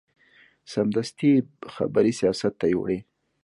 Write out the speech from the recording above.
سمدستي یې خبرې سیاست ته یوړې.